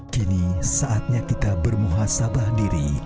kini saatnya kita bermuhasabah diri